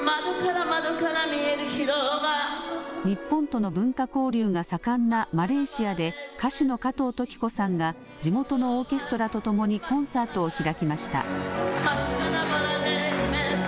日本との文化交流が盛んなマレーシアで歌手の加藤登紀子さんが地元のオーケストラとともにコンサートを開きました。